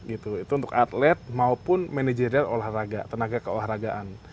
itu untuk atlet maupun manajerial olahraga tenaga keolahragaan